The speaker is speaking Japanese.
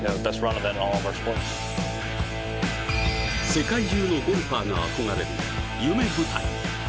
世界中のゴルファーが憧れる夢舞台。